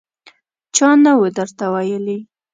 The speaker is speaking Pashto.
_چا نه و درته ويلي!